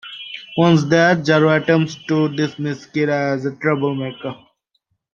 Once there, Jaro attempts to dismiss Kira as a troublemaker.